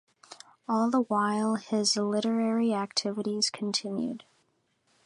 All the while his literary activities continued.